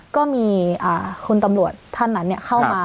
ก็มีคุณตำรวจท่านนั้นเข้ามา